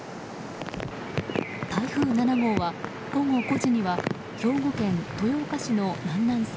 台風７号は午後５時には兵庫県豊岡市の南南西